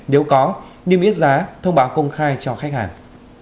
nếu có niêm yết giá thông báo công khai cho khách hàng